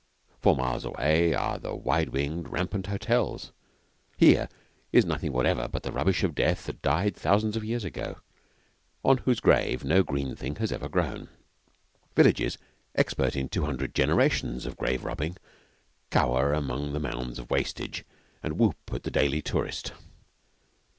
Four miles away are the wide winged, rampant hotels. Here is nothing whatever but the rubbish of death that died thousands of years ago, on whose grave no green thing has ever grown. Villages, expert in two hundred generations of grave robbing, cower among the mounds of wastage, and whoop at the daily tourist.